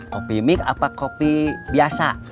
kopi mik apa kopi biasa